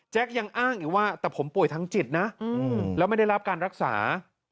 ยังอ้างอีกว่าแต่ผมป่วยทางจิตนะแล้วไม่ได้รับการรักษา